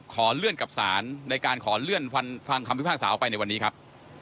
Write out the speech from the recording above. ขอเลื่อนกับศาลในการขอเลื่อนฟังคำพิพากษาออกไปในวันนี้ครับ